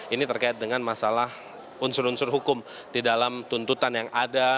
ini terkait dengan masalah unsur unsur hukum di dalam tuntutan yang ada